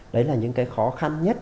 đấy là những cái khó khăn nhất